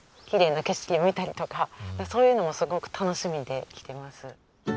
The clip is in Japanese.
きれいな景色を見たりとかそういうのもすごく楽しみで来てます。